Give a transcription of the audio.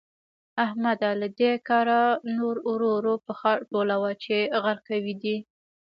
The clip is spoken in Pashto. احمده؛ له دې کاره نور ورو ورو پښه ټولوه چې غرقوي دي.